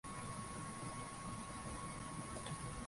kulileta vurugu ya ndani Nafasi ya kuelewana tena haikupatikana kwa